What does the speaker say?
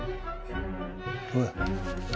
おい。